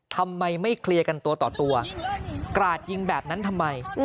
ทำไมไม่เคลียร์กันตัวต่อตัวกราดยิงแบบนั้นทำไม